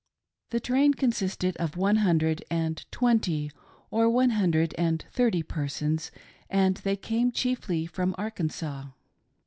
The train consisted of one hundred and twenty or one hundred and thirty persons, and they came chiefly from Arkansas.